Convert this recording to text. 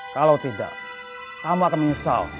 kalau tidak kamu akan menyesal